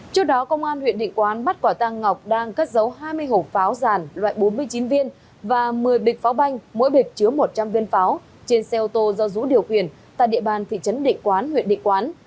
trước đó công an huyện định quán bắt quả tăng ngọc đang cất giấu hai mươi hộp pháo giàn loại bốn mươi chín viên và một mươi bịch pháo banh mỗi bịch chứa một trăm linh viên pháo trên xe ô tô do dũ điều khiển tại địa bàn thị trấn định quán huyện địa quán